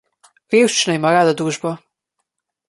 Revščina ima rada družbo.